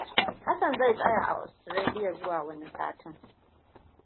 Hassan zai tsaya a Austarlia zuwa wani satin.